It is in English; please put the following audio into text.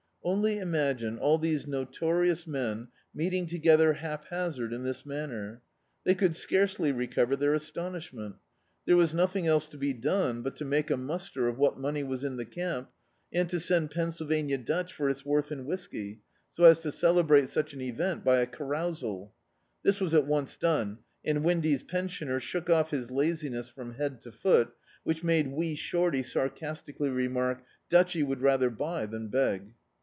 Only imagine all these notorious men meeting to gether haphazard in this maimer. They could scarcely recover their astonishment There was nothing else to be done but to make a muster of D,i.,.db, Google The Camp what money was in the camp, and to send Pennsyl* vania Dutch for its worth in whisky, so as to cele brate such an event by a carousal, lliis was at once done, and Windy's pensioner shook off his lazi ness from head to foot, which made Wee Shorty sarcastically remark — "Dutchy would rather buy than beg."